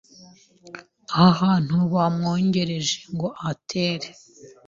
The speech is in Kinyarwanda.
aho hantu bamwogereje ngo ahatere